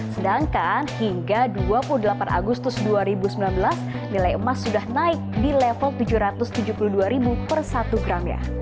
sedangkan hingga dua puluh delapan agustus dua ribu sembilan belas nilai emas sudah naik di level rp tujuh ratus tujuh puluh dua per satu gramnya